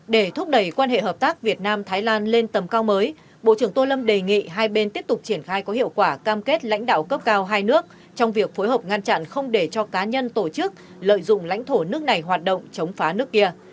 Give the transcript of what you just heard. để thúc đẩy quan hệ hợp tác việt nam thái lan lên tầm cao mới bộ trưởng tô lâm đề nghị hai bên tiếp tục triển khai có hiệu quả cam kết lãnh đạo cấp cao hai nước trong việc phối hợp ngăn chặn không để cho cá nhân tổ chức lợi dụng lãnh thổ nước này hoạt động chống phá nước kia